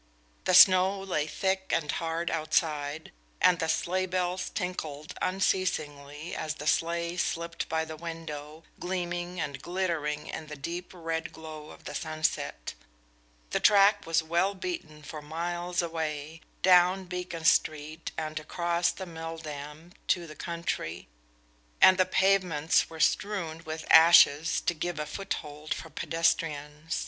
The snow lay thick and hard outside, and the sleigh bells tinkled unceasingly as the sleighs slipped by the window, gleaming and glittering in the deep red glow of the sunset. The track was well beaten for miles away, down Beacon Street and across the Milldam to the country, and the pavements were strewn with ashes to give a foothold for pedestrians.